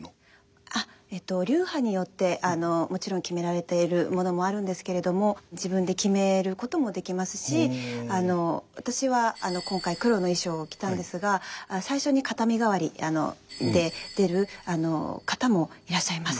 流派によってもちろん決められているものもあるんですけれども自分で決めることもできますし私は今回黒の衣裳を着たんですが最初に片身替わりで出る方もいらっしゃいます。